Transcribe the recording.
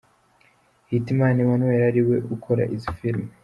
Hitimana Emmanuel, ariwe ukora izi filime.